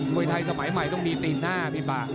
โบริเทร์สมัยใหม่ต้องมีตีหน้าพี่บา